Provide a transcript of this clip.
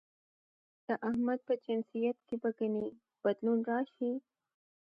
د احمد په جنسيت کې به ګنې بدلون راشي؟